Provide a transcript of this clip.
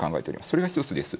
それが１つです。